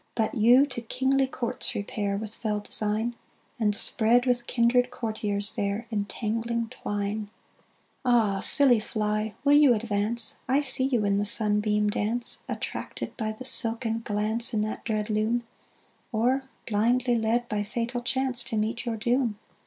But you to kingly courts repair With fell design, And spread with kindred courtiers there Entangling twine. Ah, silly fly! will you advance? I see you in the sunbeam dance: Attracted by the silken glance In that dread loom; Or blindly led, by fatal chance, To meet your doom.